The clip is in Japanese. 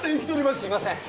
すいません